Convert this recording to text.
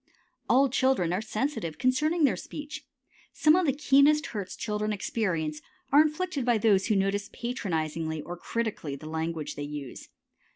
All children are sensitive concerning their speech. Some of the keenest hurts children experience are inflicted by those who notice patronizingly or critically the language they use.